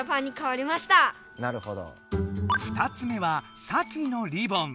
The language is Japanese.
２つ目はサキのリボン。